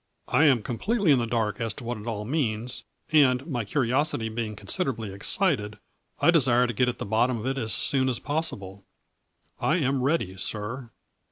I am completely in the dark as to what it all means, and, my curiosity being con siderably excited, I desire to get at the bottom of it as soon as possible. I am ready, sir."